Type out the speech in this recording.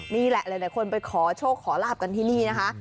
นี่แหละหลายคนไปขอโชคขอลาบกันที่นี่นะคะ